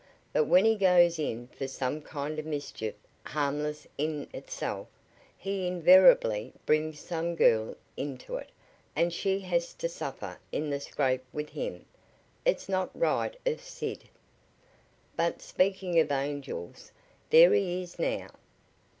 But when he goes in for some kind of mischief harmless in itself, he invariably brings some girl into it, and she has to suffer in the scrape with him. It's not right of Sid. But speaking of angels there he is now."